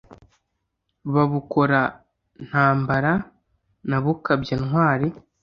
Ba Bukora-ntambara na Bukabya-ntwari,